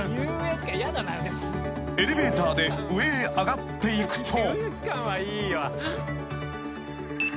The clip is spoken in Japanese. ［エレベーターで上へ上がっていくと］